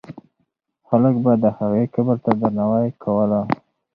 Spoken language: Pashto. خلک به د هغې قبر ته درناوی کوله.